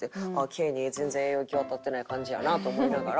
毛に全然栄養行き渡ってない感じやなと思いながら。